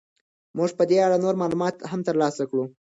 موږ به په دې اړه نور معلومات هم ترلاسه کړو.